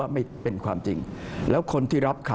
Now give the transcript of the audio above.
ทางที่ดีที่สุดก็คือกรุณารับฟังข่าวของทางราชการ